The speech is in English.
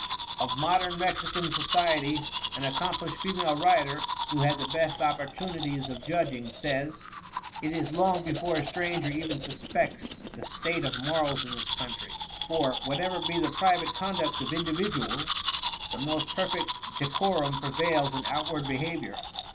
Of modern Mexican society, an accomplished female writer, who had the best opportunities of judging, says: "It is long before a stranger even suspects the state of morals in this country, for, whatever be the private conduct of individuals, the most perfect decorum prevails in outward behavior.